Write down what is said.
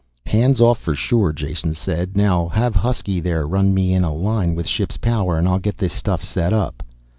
"Hands off for sure," Jason said. "Now have Husky there run me in a line with ship's power and I'll get this stuff set up."